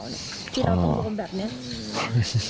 ที่เราต้องรวมแบบนี้